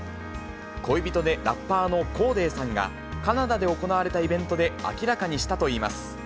恋人でラッパーのコーデーさんが、カナダで行われたイベントで明らかにしたといいます。